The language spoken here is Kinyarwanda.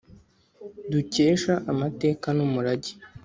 dukesha amateka n’umurage.